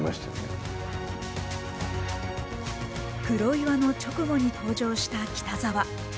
黒岩の直後に登場した北沢。